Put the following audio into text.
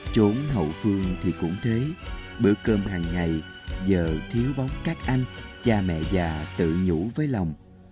chốn hậu phương thì cũng thế bữa cơm hàng ngày giờ thiếu bóng các anh cha mẹ già tự nhủ với lòng